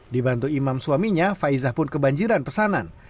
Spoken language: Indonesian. dibantu imam suaminya faizah pun kebanjiran pesanan